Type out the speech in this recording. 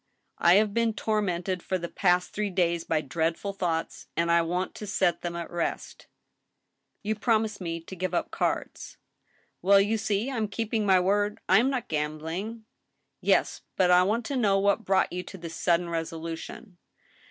I have been tormented for the past three days by dreadful thoughts, and I want to set them at rest. •.. You promised me to give up cards —"" Well, you see I am keeping my word ; I am not gambling." " Yes, but I want to know what brought you to this sudden resolution."